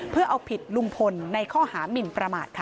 เพื่อเอาผิดลุงพลในข้อหามินประมาทค่ะ